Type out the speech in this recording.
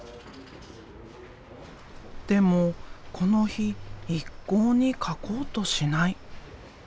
でもこの日一向に描こうとしない。